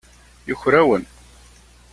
Yuker-awen.